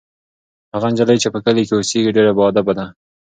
هغه نجلۍ چې په کلي کې اوسیږي ډېره باادبه ده.